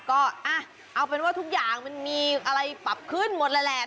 ก็เอาเป็นว่าทุกอย่างมันมีอะไรปรับขึ้นหมดแล้วแหละ